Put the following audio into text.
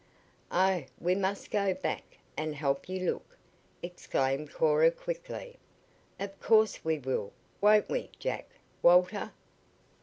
"Oh, we must go back and help you look!" exclaimed Cora quickly. "Of course we will, won't we, Jack Walter?"